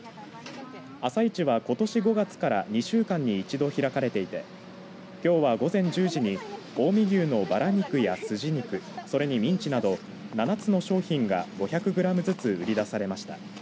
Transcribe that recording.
朝市は、ことし５月から２週間に一度開かれてきょうは午前１０時に近江牛のバラ肉やすじ肉それにミンチなど７つの商品が５００グラムずつ売り出されました。